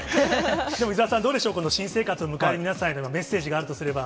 でも伊沢さん、どうでしょう、新生活迎える皆さんへのメッセージがあるとすれば。